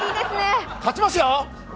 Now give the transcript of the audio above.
勝ちますよ、私！